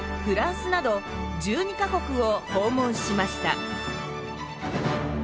フランスなど１２か国を訪問しました。